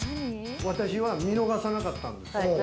私が見逃さなかったんです。